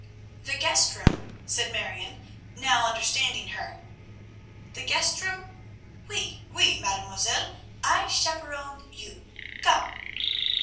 "The guest room," said Marion, now understanding her. "Der guest room? Oui, oui, Madamoselle. I chap_p_eron you, come!"